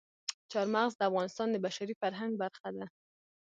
چار مغز د افغانستان د بشري فرهنګ برخه ده.